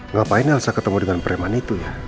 ngapain elsa ketemu dengan preman itu ya